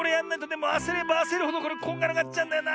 でもあせればあせるほどこれこんがらがっちゃうんだよな。